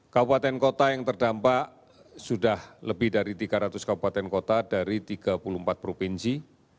kabupaten kota yang terdampak sudah lebih dari tiga ratus kabupaten kota dari tiga puluh empat provinsi